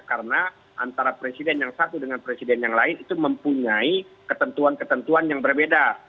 karena antara presiden yang satu dengan presiden yang lain itu mempunyai ketentuan ketentuan yang berbeda